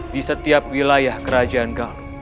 di setiap wilayah kerajaan galuh